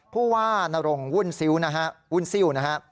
ผู้ว่านรงค์วุ่นซิวนะครับ